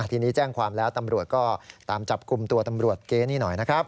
ทีนี้แจ้งความแล้วตำรวจก็ตามจับกลุ่มตัวตำรวจเก๊นี่หน่อยนะครับ